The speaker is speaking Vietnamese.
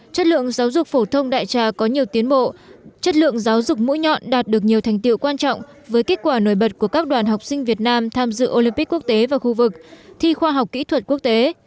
chất lượng giáo dục phổ thông đại trà có nhiều tiến bộ chất lượng giáo dục mũi nhọn đạt được nhiều thành tiệu quan trọng với kết quả nổi bật của các đoàn học sinh việt nam tham dự olympic quốc tế và khu vực thi khoa học kỹ thuật quốc tế